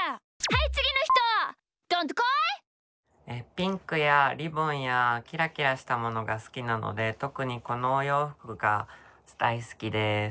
ピンクやリボンやキラキラしたものがすきなのでとくにこのおようふくがだいすきです。